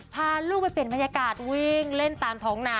พาลูกไปเปลี่ยนบรรยากาศวิ่งเล่นตามท้องนา